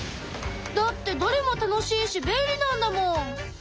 だってどれも楽しいし便利なんだもん。